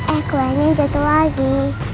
eh kuenya jatuh lagi